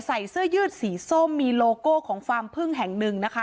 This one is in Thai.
ใส่เสื้อยืดสีส้มมีโลโก้ของฟาร์มพึ่งแห่งหนึ่งนะคะ